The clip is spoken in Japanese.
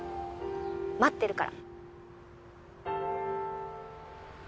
待ってるから